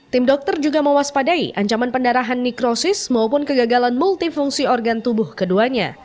tim dokter juga mewaspadai ancaman pendarahan nikrosis maupun kegagalan multifungsi organ tubuh keduanya